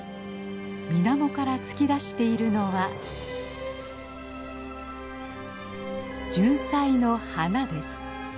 水面から突き出しているのはジュンサイの花です。